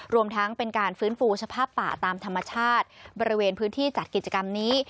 รวมทั้งเป็นการฟื้นฟูสภาพป่าตามธรรมชาติบริเวณพื้นที่จัดกิจกรรมนี้